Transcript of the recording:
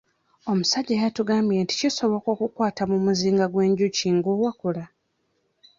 Omusajja yatugambye nti kisoboka okukwata mu muzinga gw'enjuki ng'owakula.